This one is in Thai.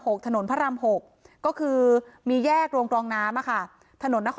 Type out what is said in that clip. ถนนพระรามหกก็คือมีแยกโรงกรองน้ำอ่ะค่ะถนนนคร